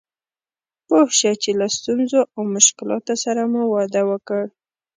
پوه شه چې له ستونزو او مشکلاتو سره مو واده وکړ.